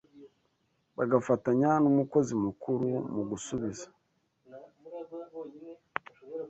bagafatanya n’Umukozi Mukuru mu gusubiza